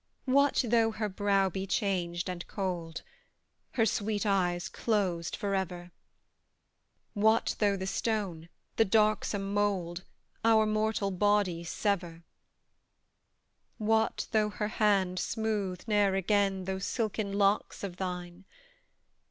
What though her brow be changed and cold, Her sweet eyes closed for ever? What though the stone the darksome mould Our mortal bodies sever? What though her hand smooth ne'er again Those silken locks of thine?